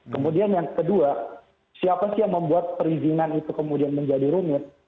kemudian yang kedua siapa sih yang membuat perizinan itu kemudian menjadi rumit